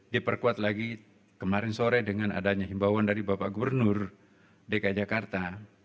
diperkuat lagi kemarin sore dengan adanya himbauan dari bapak gubernur dki jakarta